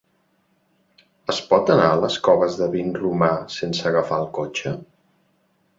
Es pot anar a les Coves de Vinromà sense agafar el cotxe?